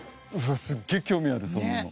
すっげえ興味あるそんなの。